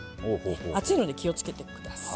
熱いので気をつけてください。